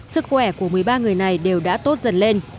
sức khỏe của một mươi ba người này đều đã tốt dần lên